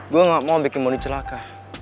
gue gak mau bikin moni celaka